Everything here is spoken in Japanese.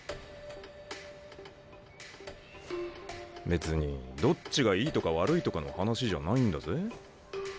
別にどっちがいいとか悪いとかの話じゃないんだぜ。